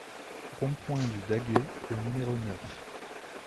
Rond-Point du Daguet au numéro neuf